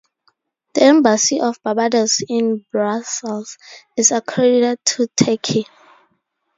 The Embassy of Barbados in Brussels is accredited to Turkey.